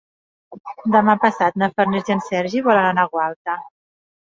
Demà passat na Farners i en Sergi volen anar a Gualta.